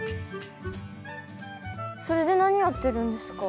それで何やってるんですか？